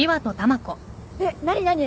えっ何何？